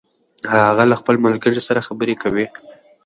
هغه له خپل ملګري سره خبرې کوي